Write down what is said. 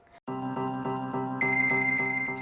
sarjana psikologi lulusan salah satu perguruan tinggi di yogyakarta ini